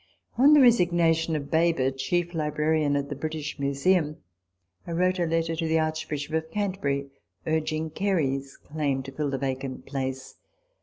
On the resignation of Baber, chief librarian at the British Museum, I wrote a letter to the Arch bishop of Canterbury, urging Gary's claim to fill the vacant place.